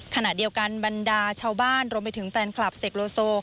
ขณะเดียวกันบรรดาชาวบ้านรวมไปถึงแฟนคลับเสกโลโซ